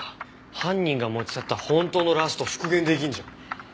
犯人が持ち去った本当のラスト復元出来るじゃん。